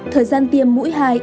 thời gian tiêm mũi hai